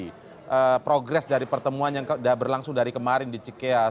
nah kami ingin mengetahui progres dari pertemuan yang berlangsung dari kemarin di cikikai